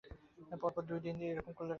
পরপর দুদিন করলেই এরা রাগ করবে।